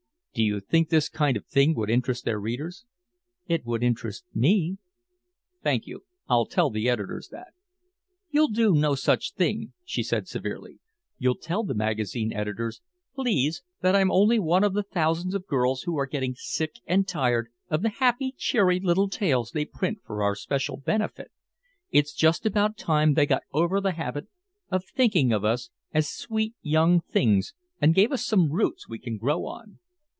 "Do you think this kind of thing would interest their readers?" "It would interest me " "Thank you. I'll tell the editors that." "You'll do no such thing," she said severely. "You'll tell the magazine editors, please, that I'm only one of thousands of girls who are getting sick and tired of the happy, cheery little tales they print for our special benefit. It's just about time they got over the habit of thinking of us as sweet, young things and gave us some roots we can grow on."